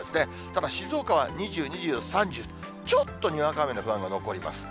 ただ静岡は２０、２０、３０と、ちょっとにわか雨の不安が残ります。